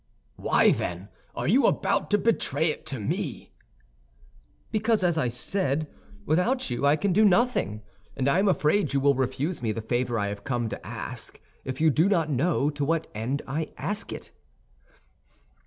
"Why, then, are you about to betray it to me?" "Because, as I said, without you I can do nothing; and I am afraid you will refuse me the favor I come to ask if you do not know to what end I ask it."